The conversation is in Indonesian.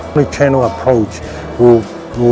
pertama cara menggunakan channel